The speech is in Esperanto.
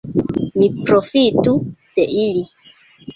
Mi profitu de ili.